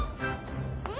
うん？